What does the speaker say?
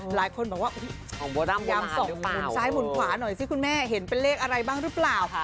หลายคนบอกว่าให้มุนขวาหน่อยสิคุณแม่เห็นเป็นเลขอะไรบ้างรึเปล่า